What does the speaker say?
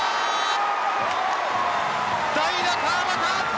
代打・川端！